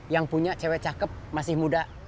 yang punya cewek cakep masih muda